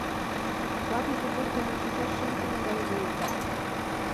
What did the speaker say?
Ватыже вундо мучашеш шындыме гай лие: